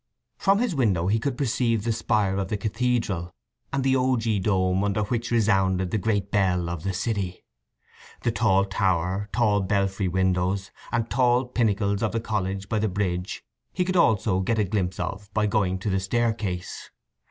From his window he could perceive the spire of the cathedral, and the ogee dome under which resounded the great bell of the city. The tall tower, tall belfry windows, and tall pinnacles of the college by the bridge he could also get a glimpse of by going to the staircase.